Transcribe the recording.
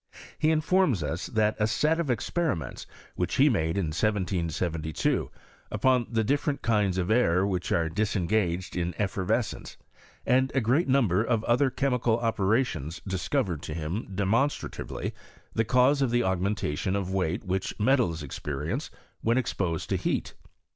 He informs us that a set of experiments, which he made in 1772, upon the different kinds of air which are disengaged in effervescence, and a great number of other chemical operations disco vered to him demonstratively the cause of the aug mentation of weight which metals experience when exposed to heat.